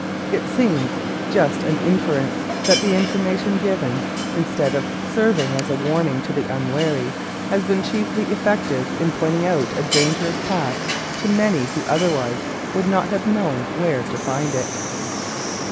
It seems a just inference that the information given, instead of serving as a warning to the unwary, has been chiefly effective in pointing out a dangerous path to many who otherwise would not have known where to find it.